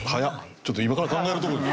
ちょっと今から考えるとこです。